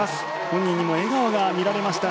本人にも笑顔が見られました。